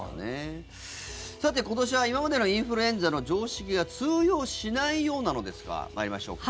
さて、今年は今までのインフルエンザの常識が通用しないようなのですが参りましょうか。